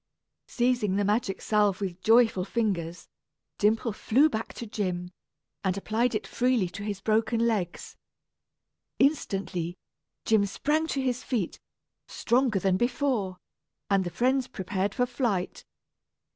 Seizing the magic salve with joyful fingers, Dimple flew back to Jim, and applied it freely to his broken legs. Instantly, Jim sprang to his feet, stronger than before, and the friends prepared for flight.